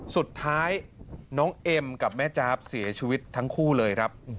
สุดท้ายน้องเอ็มกับแม่จ๊าบเสียชีวิตทั้งคู่เลยครับ